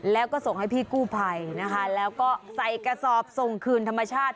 แล้วก็ส่งให้พี่กู้ภัยนะคะแล้วก็ใส่กระสอบส่งคืนธรรมชาติ